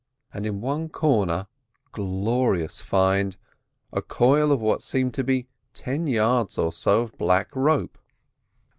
And in one corner—glorious find!—a coil of what seemed to be ten yards or so of black rope.